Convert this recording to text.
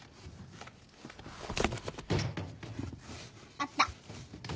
あった。